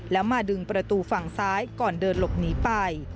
แล้วมาดึงประตูฝั่งซ้ายก่อนเดินหลบหนีไป